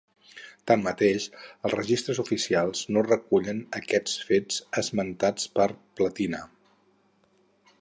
Tanmateix els registres oficials no recullen aquests fets esmentats per Platina.